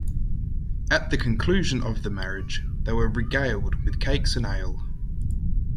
At the conclusion of the marriage, they were regaled with cakes and ale.